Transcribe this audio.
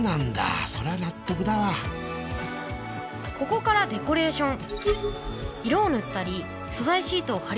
ここからデコレーション。